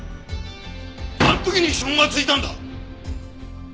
あの時に指紋がついたんだ！